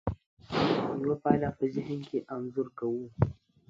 یوه پایله په ذهن کې انځور کوو.